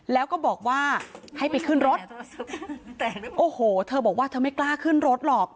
แล้วก็บอกว่าให้ไปขึ้นรถแต่โอ้โหเธอบอกว่าเธอไม่กล้าขึ้นรถหรอก